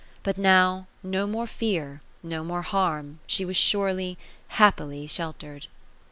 But now, no more fear, no more harm, she was surely, happily sheltered.